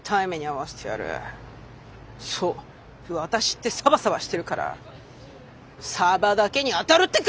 そうワタシってサバサバしてるからサバだけにあたるってか！